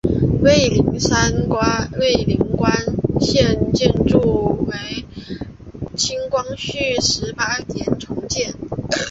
蔚岭关现建筑为清光绪十八年重建。